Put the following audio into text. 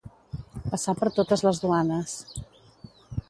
Passar per totes les duanes.